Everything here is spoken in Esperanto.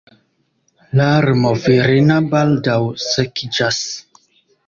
Larmo virina baldaŭ sekiĝas.